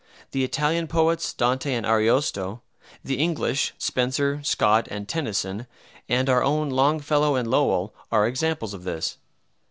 The Italian poets, Dante and Ariosto, the English, Spenser, Scott, and Tennyson, and our own Longfellow and Lowell, are examples of this.